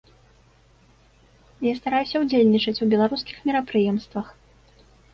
Я стараюся ўдзельнічаць у беларускіх мерапрыемствах.